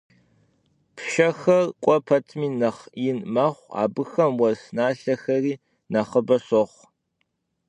Pşşexer k'ue petmi nexh yin mexhu, abıxem vues nalhexeri nexhıbe şoxhu.